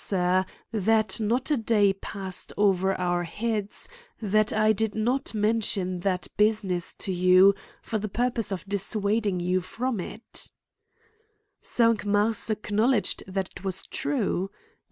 Sir, that not a day passed over our heads, that I did not mention that business t% you, for the purpose of dissuading you from itV^ CRIMES AND PUNISHMENTS. Sit Cinq Mars acknowledged that it was true.